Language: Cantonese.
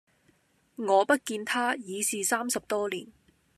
我不見他，已是三十多年；